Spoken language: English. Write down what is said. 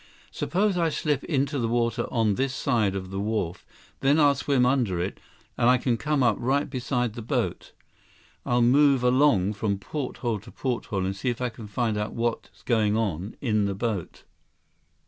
Suppose I slip into the water on this side of the wharf. Then I'll swim under it, and I can come up right beside the boat. I'll move along from porthole to porthole and see if I can find out what's going on in the boat."